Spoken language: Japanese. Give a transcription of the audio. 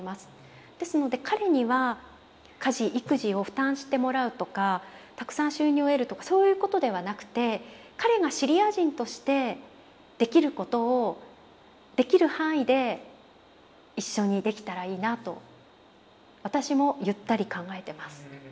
ですので彼には家事育児を負担してもらうとかたくさん収入を得るとかそういうことではなくて彼がシリア人としてできることをできる範囲で一緒にできたらいいなと私もゆったり考えてます。